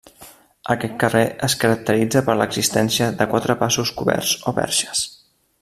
Aquest carrer es caracteritza per l'existència de quatre passos coberts o perxes.